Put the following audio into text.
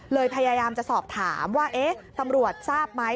เลยพยายามจะสอบถามว่าตำรวจทราบไหม